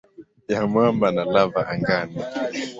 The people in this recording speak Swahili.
ya mwamba na lava angani.